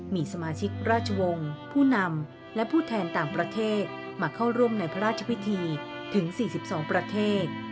มีสมาชิกราชวงศ์ผู้นำและผู้แทนต่างประเทศมาเข้าร่วมในพระราชพิธีถึง๔๒ประเทศ